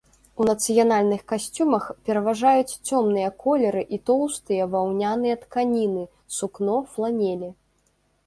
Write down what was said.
У нацыянальных касцюмах пераважаюць цёмныя колеры і тоўстыя ваўняныя тканіны, сукно, фланелі.